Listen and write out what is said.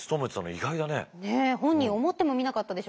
え本人思ってもみなかったでしょうね。